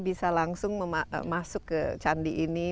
bisa langsung masuk ke candi ini